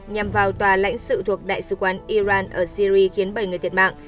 nhằm vào tòa lãnh sự thuộc đại sứ quán iran ở syri khiến bảy người thiệt mạng